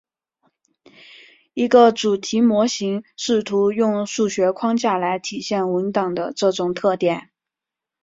一个主题模型试图用数学框架来体现文档的这种特点。